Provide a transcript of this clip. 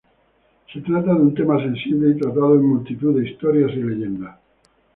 Se trata de un tema sensible, y tratado en multitud de historias y leyendas.